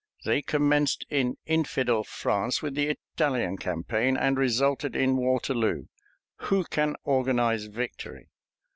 They commenced in infidel France with the Italian campaign, and resulted in Waterloo. Who can organize victory?